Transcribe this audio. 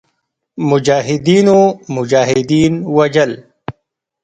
مجاهدینو مجاهدین وژل.